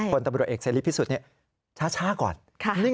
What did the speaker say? คนตำรวจเอกเสรีพิสุทธิ์ช้าก่อน